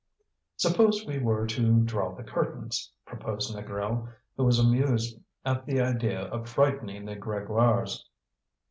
"Suppose we were to draw the curtains," proposed Négrel, who was amused at the idea of frightening the Grégoires.